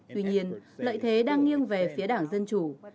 tuy nhiên lợi thế đang nghiêng về phía đảng dân chủ